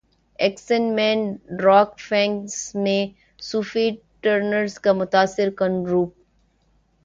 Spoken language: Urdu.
ایکس مین ڈارک فینکس میں صوفی ٹرنر کا متاثر کن روپ